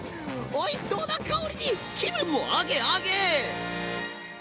おいしそうな香りに気分もアゲアゲ！